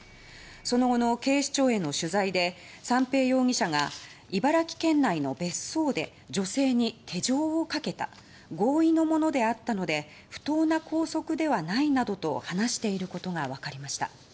その後の警視庁への取材で三瓶容疑者が「茨城県内の別荘で女性に手錠をかけた合意のものであったので不当な拘束ではない」などと話していることがわかりました。